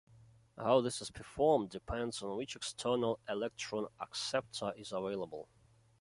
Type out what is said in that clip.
How this is performed depends on which external electron acceptor is available.